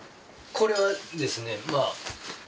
これはですねまあ。